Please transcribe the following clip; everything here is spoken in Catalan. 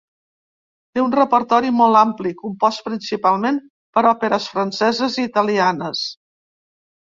Té un repertori molt ampli, compost principalment per òperes franceses i italianes.